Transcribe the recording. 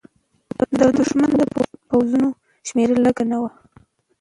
د دښمن د پوځونو شمېر لږ نه و.